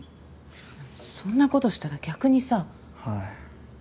いやでもそんなことしたら逆にさ。はい。